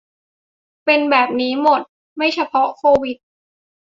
เป็นแบบนี้หมด ไม่เฉพาะโควิด